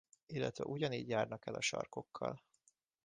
Illetve ugyanígy járnak el a sarkokkal.